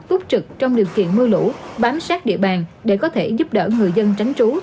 túc trực trong điều kiện mưa lũ bám sát địa bàn để có thể giúp đỡ người dân tránh trú